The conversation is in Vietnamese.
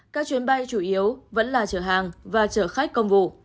các chuyến bay chủ yếu vẫn là chở hàng và chở khách công vụ